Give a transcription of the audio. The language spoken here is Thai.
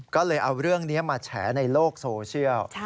ก็เลยเอาเรื่องนี้มาแฉในโลกโซเชียล